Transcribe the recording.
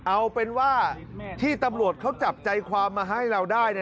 เอาเป็นว่าที่ตำรวจเขาจับใจความมาให้เราได้